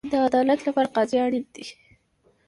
د عدالت لپاره قاضي اړین دی